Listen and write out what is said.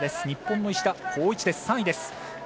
日本の石田、好位置です、３位です。